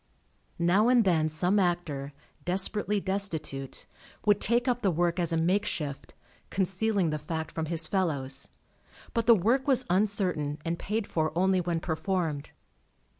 Now and then some actor, desperately destitute, would take up the work as a makeshift, concealing the fact from his fellows, but the work was uncertain and paid for only when performed.